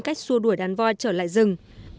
cách xua đuổi đàn voi trở lại rừng